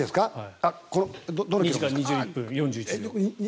２時間２１分４１秒。